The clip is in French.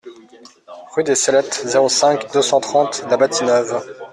Rue des Cellettes, zéro cinq, deux cent trente La Bâtie-Neuve